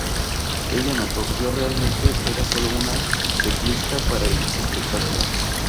Ella anotó: "Yo realmente era solo una teclista para el espectáculo.